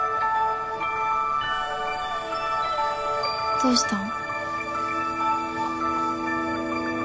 どうしたん？